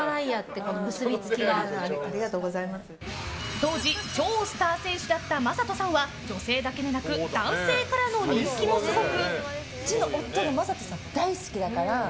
当時、超スター選手だった魔裟斗さんは女性だけでなく男性からの人気もすごく。